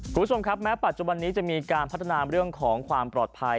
คุณผู้ชมครับแม้ปัจจุบันนี้จะมีการพัฒนาเรื่องของความปลอดภัย